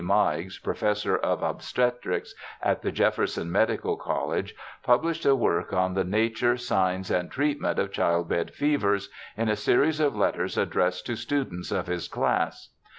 Meigs, Professor of Obstetrics at the Jefferson Medical College, pubhshed a work on the nature, signs, and treatment of child bed fevers, in a series of letters addressed to students of his class.